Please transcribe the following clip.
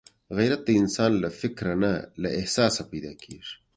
غیرت د انسان له فکره نه، له احساسه پیدا کېږي